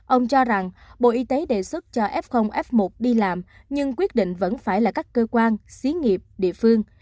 ông cho rằng bộ y tế đề xuất cho f f một đi làm nhưng quyết định vẫn phải là các cơ quan xí nghiệp địa phương